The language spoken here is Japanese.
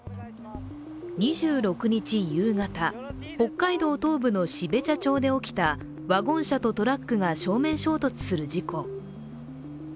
２６日夕方、北海道東部の標茶町で起きたワゴン車とトラックが正面衝突する事故。